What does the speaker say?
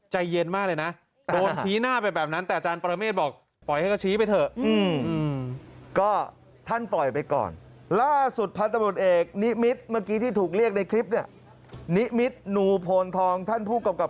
ใจเย็นมากเลยนะโดนชี้หน้าไปแบบนั้น